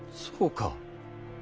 そうか。